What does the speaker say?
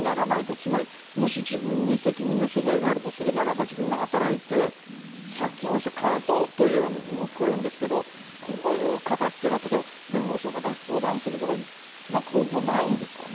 つまり、もし自分に責任の所在があるとするならば、自分が働いて借金をして返そうというふうにも聞こえるんですけれども、こういう方っていうのは、例えば、弁護士の方に相談するとか、なんか方法ないんですかね。